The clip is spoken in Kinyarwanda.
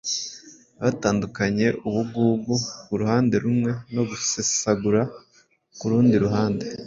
batandukanye ubugugu ku ruhande rumwe no gusesagura ku rundi ruhande.